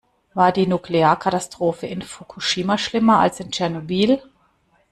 War die Nuklearkatastrophe in Fukushima schlimmer als in Tschernobyl?